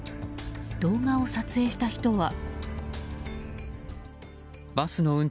動画を撮影した人は。